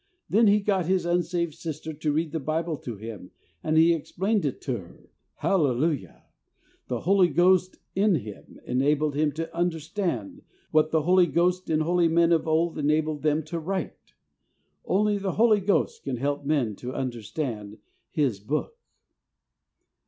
Then he got his unsaved sister to read the Bible to him and he explained it to her. Hallelujah ! The Holy Ghost in him enabled him to understand what the Holy Ghost in holy m.en of old enabled them to write. Only the Holy Ghost can help men to understand His Book.